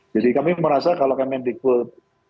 jadi kami merasa kalau kemen negeri